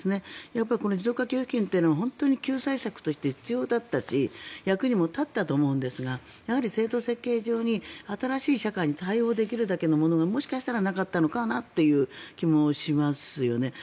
やっぱり持続化給付金というのは本当に救済策として必要だったし役にも立ったと思うんですが制度設計上で、新しい社会に対応できるだけのものがもしかしたらなかったのかなという気もしますよね。